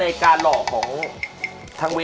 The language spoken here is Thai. ถามตาก็ไง